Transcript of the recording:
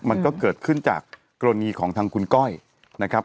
มันก็เกิดขึ้นจากกรณีของทางคุณก้อยนะครับ